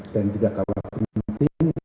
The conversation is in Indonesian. dan tidak kalah penting